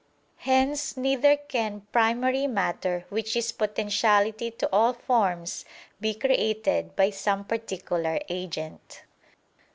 Hence neither can primary matter, which is potentiality to all forms, be created by some particular agent.